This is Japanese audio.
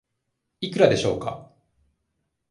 いくらでしょうか。